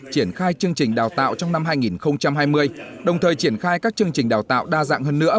triển khai chương trình đào tạo trong năm hai nghìn hai mươi đồng thời triển khai các chương trình đào tạo đa dạng hơn nữa